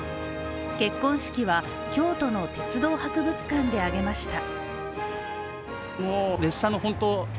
結婚式は、京都の鉄道博物館で挙げました。